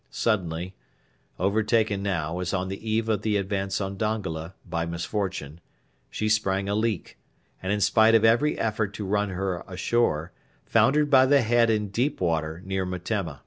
Suddenly overtaken now, as on the eve of the advance on Dongola, by misfortune she sprang a leak, and, in spite of every effort to run her ashore, foundered by the head in deep water near Metemma.